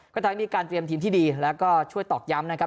ก็ทั้งมีการเตรียมทีมที่ดีแล้วก็ช่วยตอกย้ำนะครับ